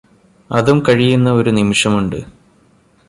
അതും കഴിയുന്ന ഒരു നിമിഷമുണ്ട്